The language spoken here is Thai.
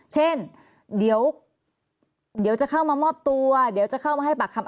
เช่นเดี๋ยวจะเข้ามามอบตัวเดี๋ยวจะเข้ามาให้ปากคำ